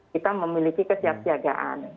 kita memiliki kesiapsiagaan